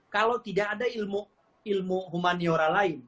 kalau tidak ada ilmu humaniora lain